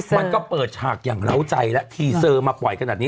มันก็เปิดฉากอย่างเหล้าใจแล้วทีเซอร์มาปล่อยขนาดนี้